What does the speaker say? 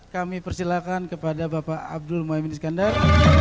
kami persilakan kepada bapak abdul mohamed iskandar